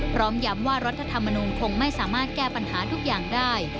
พร้อมย้ำว่ารัฐธรรมนูลคงไม่สามารถแก้ปัญหาทุกอย่างได้